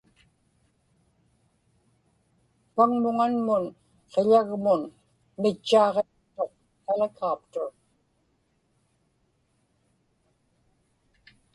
paŋmuŋanmun qiḷagmun mitchaaġiaqtuq helicopter